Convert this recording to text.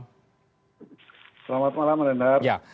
selamat malam renhar